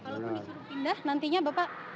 kalaupun disuruh pindah nantinya bapak